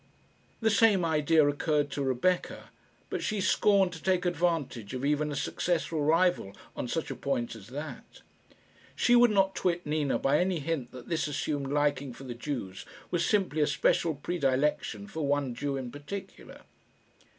The same idea occurred to Rebecca, but she scorned to take advantage of even a successful rival on such a point as that. She would not twit Nina by any hint that this assumed liking for the Jews was simply a special predilection for one Jew in particular.